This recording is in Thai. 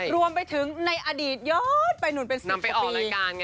รวมไปถึงในอดีตยอดไปหนุนเป็น๑๐กว่าปี